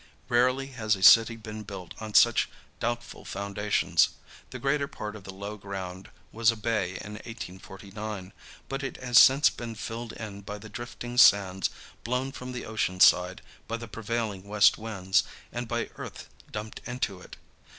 Rarely has a city been built on such doubtful foundations. The greater part of the low ground was a bay in 1849, but it has since been filled in by the drifting sands blown from the ocean side by the prevailing west winds and by earth dumped into it.